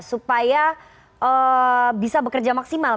supaya bisa bekerja maksimal